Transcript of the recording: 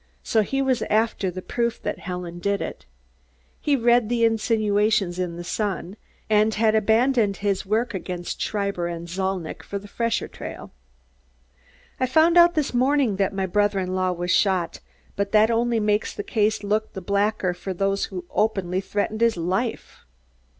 So he was after the proof that Helen did it. He had read the insinuations in The Sun and had abandoned his work against Schreiber and Zalnitch for the fresher trail. "I found out this morning that my brother in law was shot, but that only makes the case look the blacker for those who openly threatened his life."